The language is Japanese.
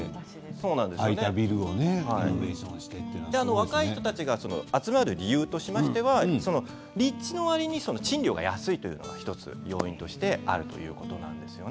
若い人たちが集まる理由としましては立地のわりに賃料が安いということが１つとしてあるということです。